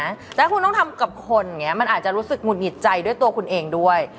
แล้วคุณต้องทำกับคนอย่างนี้มันอาจจะรู้สึกหุดหงิดใจด้วยตัวคุณเองด้วย